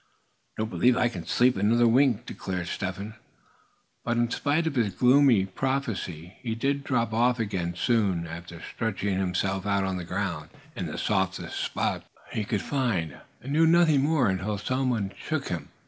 "Don't believe I c'n sleep another wink," declared Step Hen. But in spite of his gloomy prophecy, he did drop off again soon after stretching himself out on the ground, in the softest spot he could find; and knew nothing more until some one shook him.